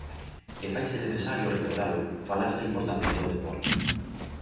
E faise necesario recordalo, falar da importancia do deporte.